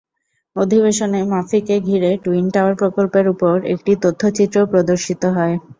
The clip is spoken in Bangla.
অধিবেশনে মাকিকে ঘিরে টুইন টাওয়ার প্রকল্পের ওপর একটি তথ্যচিত্রও প্রদর্শিত হয়।